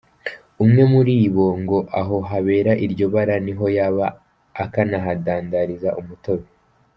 Umwe muri ibo ngo aho habere iryo bara niho yaba akanahadandariza umutobe.